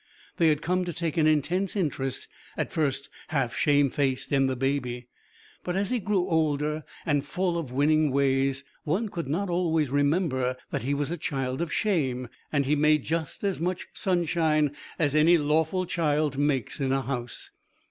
They had come to take an intense interest, at first half shamefaced, in the baby. But as he grew older and full of winning ways, one could not always remember that he was a child of shame, and he made just as much sunshine as any lawful child makes in a house.